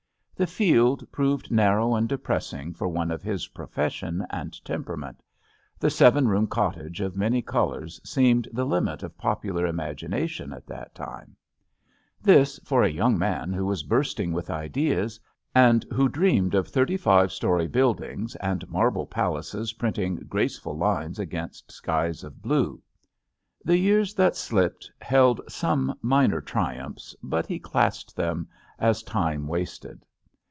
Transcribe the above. The field proved narrow and depressing for one of his profession and temperament. The seven room cottage of many colors seemed the limit of popular imagination at that time. jjj JUST SWEETHEARTS jjj This, for a young man who was bursting with ideas, and who dreamed of thirty five story buildings and marble palaces printing graceful lines against skies of blue ! The years that slipped held some minor triumphs, but he classed them as time wasted.